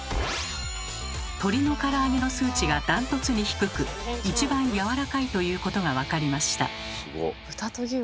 鶏のから揚げの数値が断トツに低く一番やわらかいということが分かりました。